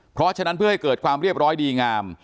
เพราะฉะนั้นเพื่อให้เกิดความเรียบร้อยดีงาม